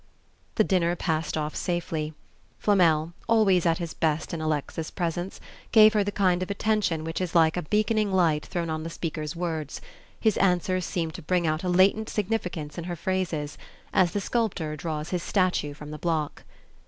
The dinner passed off safely. Flamel, always at his best in Alexa's presence, gave her the kind of attention which is like a beaconing light thrown on the speaker's words: his answers seemed to bring out a latent significance in her phrases, as the sculptor draws his statue from the block.